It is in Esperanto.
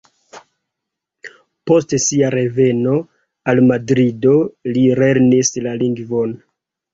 Post sia reveno al Madrido, li lernis la lingvon.